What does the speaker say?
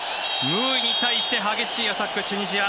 ムーイに対して激しいアタックチュニジア。